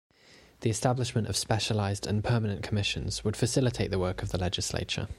The establishment of specialised and permanent commissions would facilitate the work of the legislature.